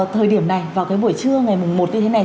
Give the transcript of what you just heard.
thời điểm này vào cái buổi trưa ngày một như thế này